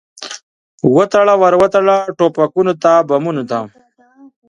وتړه، ور وتړه ټوپکو ته، بمونو ته